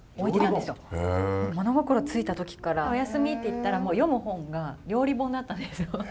物心付いた時からおやすみって言ったら読む本が料理本だったんですよ。